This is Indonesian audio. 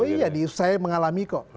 oh iya saya mengalami kok